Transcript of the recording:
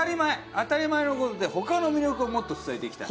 当たり前の事で他の魅力をもっと伝えていきたい。